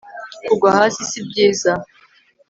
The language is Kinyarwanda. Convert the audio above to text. kugwa hasi si byiza